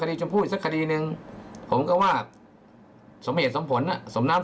ชมพู่อีกสักคดีหนึ่งผมก็ว่าสมเหตุสมผลอ่ะสมนับ